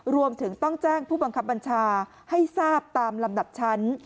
รวมถึงต้องแจ้งผู้บังคับบัญชาให้ทราบตามลำดับชั้น